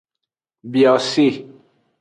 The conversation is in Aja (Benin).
Biose.